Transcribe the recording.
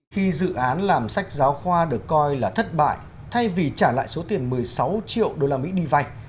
khi dự án làm sách giáo khoa được coi là thất bại thay vì trả lại số tiền một mươi sáu triệu đô la mỹ đi vay